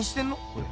これ。